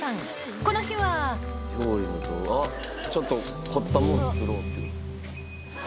この日はあっちょっと凝ったもの作ろうっていう。